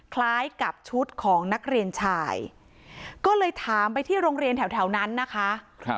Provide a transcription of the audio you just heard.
คล้ายกับชุดของนักเรียนชายก็เลยถามไปที่โรงเรียนแถวนั้นนะคะ